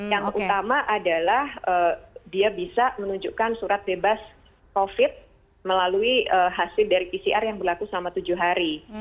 yang utama adalah dia bisa menunjukkan surat bebas covid melalui hasil dari pcr yang berlaku selama tujuh hari